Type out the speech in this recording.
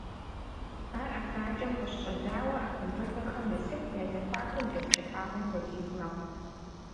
Ар ӀэфракӀэм къыщыщӀэдзауэ Ӏэпхъуамбэпэхэм нэсыху я зэхуакум дэлъ кӀыхьагъым хуэдиз мэхъу.